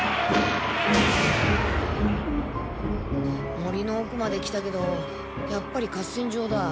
森のおくまで来たけどやっぱり合戦場だ。